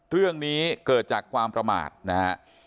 เรื่องนี้เกิดจากความประมาทนะฮะ